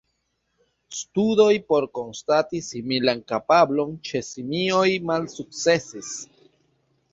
Studoj por konstati similan kapablon ĉe simioj malsukcesis.